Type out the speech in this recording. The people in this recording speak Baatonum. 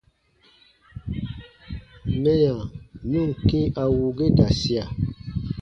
Mɛya nu ǹ kĩ a wuu ge da sia.